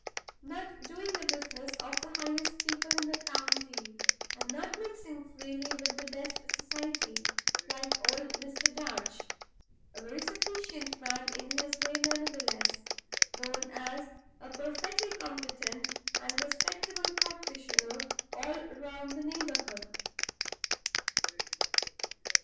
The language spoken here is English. Not doing the business of the highest people in the county, and not mixing freely with the best society, like old Mr. Darch. A very sufficient man, in his way, nevertheless. Known as a perfectly competent and respectable practitioner all round the neighborhood.